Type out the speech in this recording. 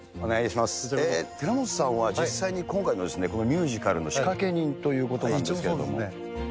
寺本さんは実際に今回、このミュージカルの仕掛人という一応そうですね。